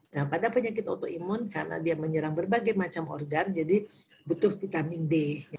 nah pada penyakit autoimun karena dia menyerang berbagai macam organ jadi butuh vitamin d